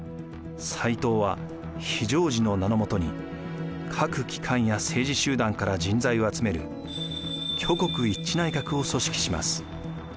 斎藤は非常時の名のもとに各機関や政治集団から人材を集める挙国一致内閣を組織します。